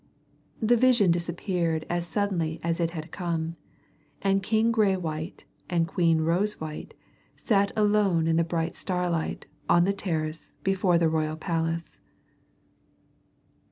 The vision disappeared as suddenly as it had come, and King Graywhite and Queen Rosewhite sat alone in the bright starlight on the terrace before the royal palace.